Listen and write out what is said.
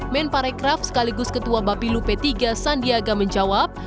men parekraf sekaligus ketua bapilu p tiga sandiaga menjawab